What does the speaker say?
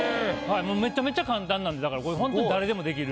めちゃめちゃ簡単なんでこれホントに誰でもできる。